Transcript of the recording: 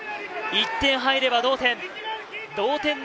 １点入れば同点。